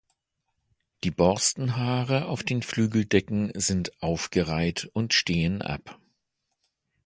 Die Borstenhaare auf den Flügeldecken sind aufgereiht und stehen ab.